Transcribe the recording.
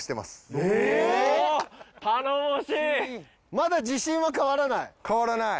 まだ自信は変わらない？